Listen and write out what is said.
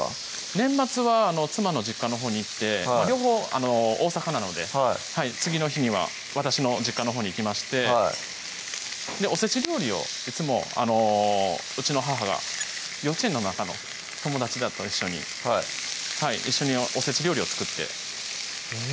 年末は妻の実家のほうに行って両方大阪なので次の日には私の実家のほうに行きましておせち料理をいつもうちの母が幼稚園の仲の友達らと一緒に一緒におせち料理を作ってえぇ？